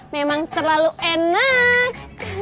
memang terlalu enak